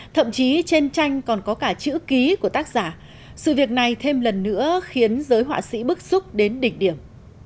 thậm chí trên tranh còn có cả chữ ký của tác giả sự việc này thêm lần nữa khiến giới họa sĩ bức xúc đến đỉnh điểm